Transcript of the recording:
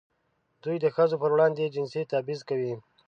دوی د ښځو پر وړاندې جنسي تبعیض کوي.